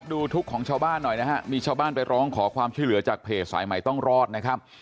ดูทุกข์ของชาวบ้านหน่อยนะฮะมีชาวบ้านไปร้องขอความช่วยเหลือจากเพจสายใหม่ต้องรอดนะครับ